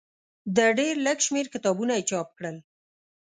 د ډېر لږ شمېر کتابونه یې چاپ کړل.